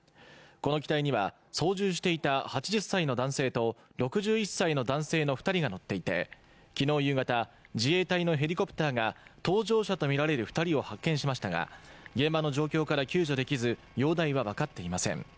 この機体には操縦していた８０歳の男性と、６１歳の男性の２人が乗っていて昨日夕方、自衛隊のヘリコプターが搭乗者とみられる２人を発見しましたが、現場の状況から救助できず容体は分かっていません。